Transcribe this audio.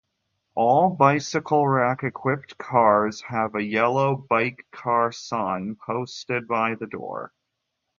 All bicycle rack-equipped cars have a yellow "Bike Car" sign posted by the door.